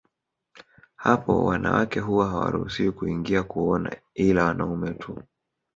Hapo wanawake huwa hawaruhusiwi kuingia kuona ila wanaume tu